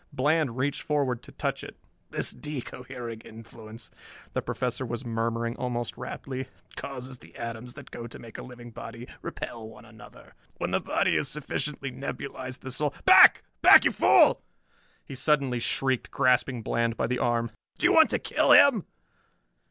Bland reached forward to touch it. "This de cohering influence," the Professor was murmuring, almost raptly, "causes the atoms that go to make a living body repel one another. When the body is sufficiently nebulized, the soul Back! Back, you fool!" he suddenly shrieked, grasping Bland by the arm. "Do you want to kill him?"